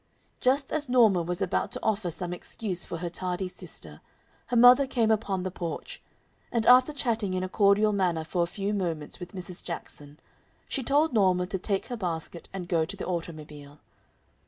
Just as Norma was about to offer some excuse for her tardy sister, her mother came upon the porch, and, after chatting in a cordial manner for a few moments with Mrs. Jackson, she told Norma to take her basket and go to the automobile.